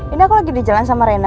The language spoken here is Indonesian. ini aku lagi di jalan sama rena